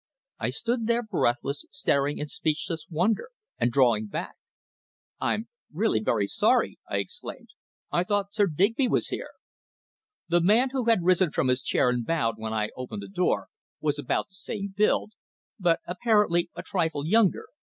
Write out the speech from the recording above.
I stood there breathless, staring in speechless wonder, and drawing back. "I'm really very sorry!" I exclaimed. "I thought Sir Digby was here!" The man who had risen from his chair and bowed when I opened the door was about the same build, but, apparently, a trifle younger.